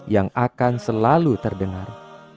yang akan selalu terdengar